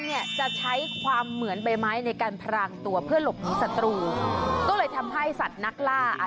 นี่คือตั๊กกัตแตนใบไม้นะคะ